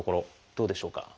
どうでしょうか？